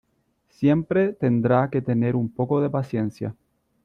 siempre tendrá que tener un poco de paciencia,